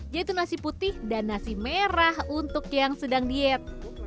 yaitu nasi putih dan nasi merah untuk yang sedang diet